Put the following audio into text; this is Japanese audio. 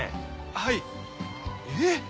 はいえぇっ！？